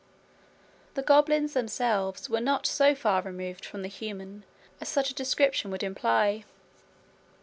The goblins themselves were not so far removed from the human as such a description would imply.